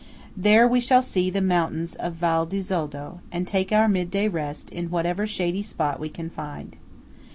There we shall see the mountains of Val di Zoldo, and take our midday rest in whatever shady spot we can find.